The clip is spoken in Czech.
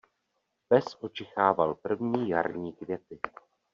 Pes očichával první jarní květy.